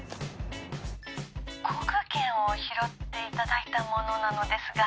航空券を拾っていただいた者なのですが。